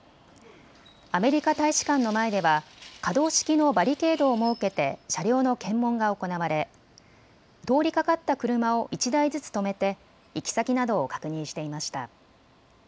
アメリカ大使館の前では可動式のバリケードを設けて車両の検問が行われ通りかかった車を１台ずつ止めて行き先などを確認していました。